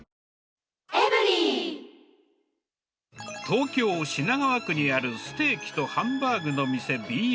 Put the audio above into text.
東京・品川区にある、ステーキとハンバーグの店、Ｂ＆Ｍ。